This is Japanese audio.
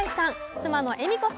妻の栄美子さん